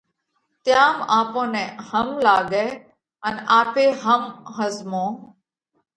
تيام آپون نئہ هم لاڳئه ان آپي هم ۿزمونه۔